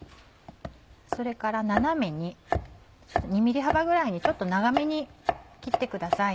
それから斜めに２ｍｍ幅ぐらいにちょっと長めに切ってください。